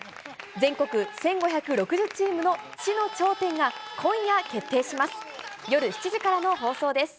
全国１５６０チームの知の頂点が今夜決定します。